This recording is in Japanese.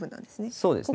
そうですね。